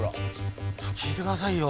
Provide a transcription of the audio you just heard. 聞いてくださいよ。